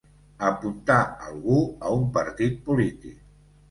Apuntar algú a un partit polític.